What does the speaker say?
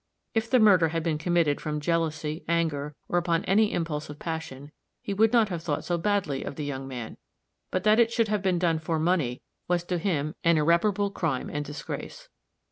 If the murder had been committed from jealousy, anger, or upon any impulse of passion, he would not have thought so badly of the young man; but that it should have been done for money was to him an irreparable crime and disgrace.